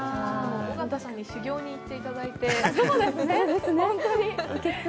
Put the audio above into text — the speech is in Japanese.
尾形さんに修業に行っていただいて。